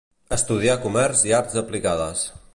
Estudià comerç i arts aplicades.